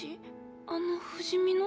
あの不死身の？